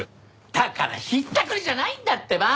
だからひったくりじゃないんだってば！